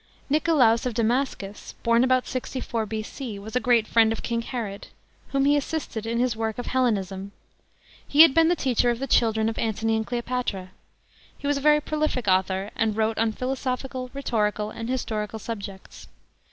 NICOLAUS of Damascus (born about 64 B.C.) was a great friend of King Herod, whom he assisted in his work of He'lunism. HJ had been the teacher of the chiMren of Antony and Cleopatra. Ho was a very prolific author, and wrote on philosophical, rhe'orical and historical subjects.